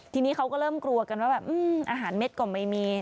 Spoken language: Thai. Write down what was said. ทีนี้เขาก็เริ่มกลัวกันว่าแบบอาหารเม็ดก็ไม่มี